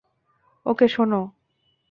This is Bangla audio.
ওকে, শোনো।